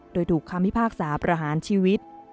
โดยถูกคำพิพากษาประหารชีวิต